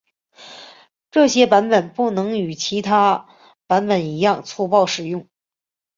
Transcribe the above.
这些版本不能与其他版本一样粗暴使用。